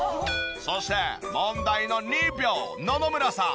そして問題の２秒野々村さん。